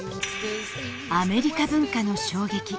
アメリカ文化の衝撃。